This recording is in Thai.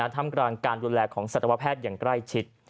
ทำกลางการดูแลของสัตวแพทย์อย่างใกล้ชิด